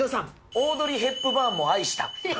オードリー・ヘプバーンも愛した。